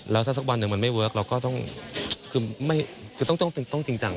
แล้วถ้าสักวันหนึ่งมันไม่เวิร์คเราก็ต้องคือต้องจริงจัง